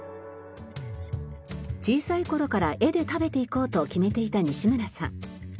小さい頃から絵で食べていこうと決めていた西村さん。